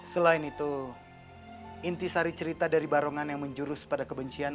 selain itu inti sari cerita dari barongan yang menjurus pada kebencian